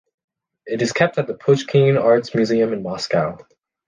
It is kept at the Pouchkine Arts Museum in Moscou.